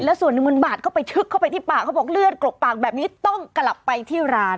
แล้วส่วนหนึ่งมันบาดเข้าไปชึกเข้าไปที่ปากเขาบอกเลือดกลกปากแบบนี้ต้องกลับไปที่ร้าน